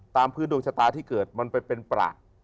ตามพื้นดวงชะตาที่เกิดมันไปเป็นประ